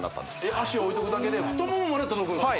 足を置いとくだけで太ももまで届くんですか？